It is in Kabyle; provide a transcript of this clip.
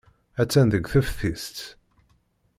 Attan deg teftist.